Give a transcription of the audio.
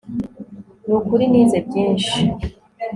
Nukuri nize byinshi